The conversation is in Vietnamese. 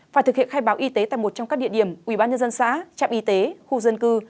phải thực hiện khai báo y tế tại một trong các địa điểm ủy ban nhân dân xã trạm y tế khu dân cư